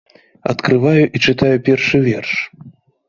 Адкрываю і чытаю першы верш.